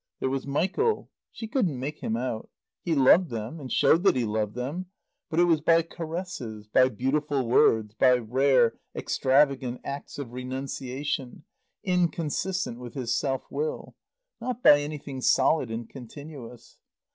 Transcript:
There was Michael. She couldn't make him out. He loved them, and showed that he loved them; but it was by caresses, by beautiful words, by rare, extravagant acts of renunciation, inconsistent with his self will; not by anything solid and continuous.